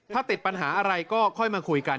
ถ้าติดปัญหาอะไรก็ค่อยมาคุยกัน